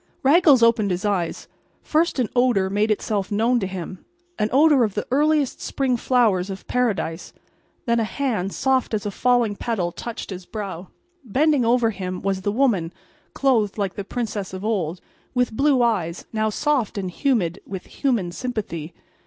Raggles opened his eyes. First an odor made itself known to him—an odor of the earliest spring flowers of Paradise. And then a hand soft as a falling petal touched his brow. Bending over him was the woman clothed like the princess of old, with blue eyes, now soft and humid with human sympathy.